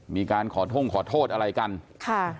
มีการขอท่งขอโทษอะไรกันค่ะ